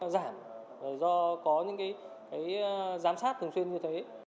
giảm do có những giám sát thường xuyên như thế